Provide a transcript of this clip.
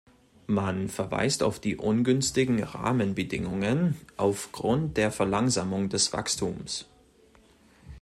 Man verweist auf die ungünstigen Rahmenbedingungen aufgrund der Verlangsamung des Wachstums.